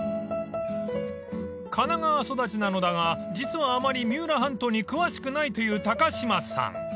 ［神奈川育ちなのだが実はあまり三浦半島に詳しくないという高島さん］